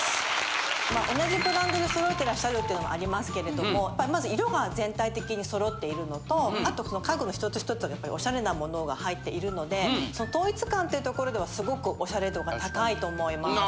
同じブランドで揃えてらっしゃるっていうのもありますけれどもやっぱり色が全体的に揃っているのとあと家具の１つ１つがやっぱりオシャレなものが入っているので統一感というところではすごくオシャレ度が高いと思います。